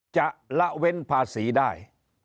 จะละเว้นภาษีได้